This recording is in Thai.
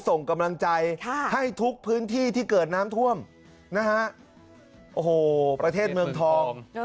ส่งกำลังใจให้ทุกพื้นที่ที่เกิดน้ำท่วมนะฮะโอ้โหประเทศเมืองทอง